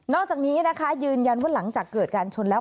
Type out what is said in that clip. อกจากนี้นะคะยืนยันว่าหลังจากเกิดการชนแล้ว